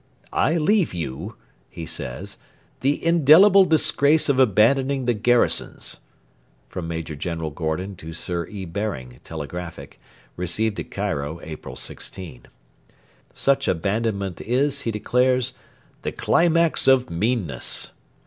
'I leave you,' he says, the 'indelible disgrace of abandoning the garrisons.' [Major General Gordon to Sir E. Baring (telegraphic), received at Cairo April 16.] Such abandonment is, he declares, 'the climax of meanness.'